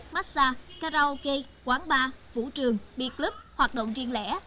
massage karaoke quán bar vũ trường biệt club hoạt động riêng lẻ